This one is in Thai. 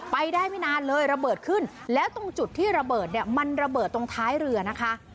ไปได้ไม่นานเลยระเบิดขึ้นแล้วตรงจุดที่ระเบิดเนี่ยมันระเบิดตรงท้ายเรือนะคะ